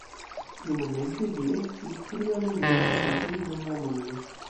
Tiumomente ĝi estis tria monumento pri hundo en la mondo.